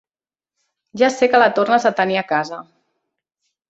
Ja sé que la tornes a tenir a casa.